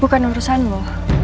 bukan urusan lu